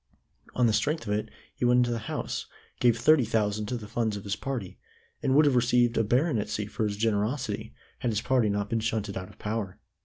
On the strength of it he went into the House, gave thirty thousand to the funds of his party, and would have received a baronetcy for his generosity, had his party not been shunted out of power.